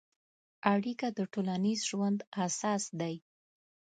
اړیکه د ټولنیز ژوند اساس دی.